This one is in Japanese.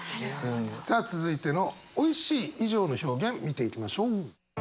さあ続いてのおいしい以上の表現見ていきましょう。